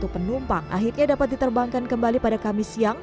satu ratus tujuh puluh satu penumpang akhirnya dapat diterbangkan kembali pada kamis siang